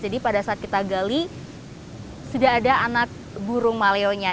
jadi pada saat kita gali sudah ada anak burung maleonya